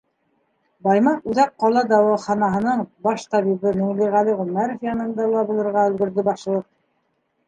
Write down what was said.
Баймаҡ үҙәк ҡала дауаханаһының баш табибы Миңлеғәле Ғүмәров янында ла булырға өлгөрҙө башлыҡ.